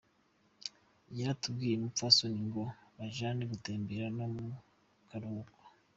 Yaratumiye umupfasoni ngo bajane gutembera no mu karuhuko.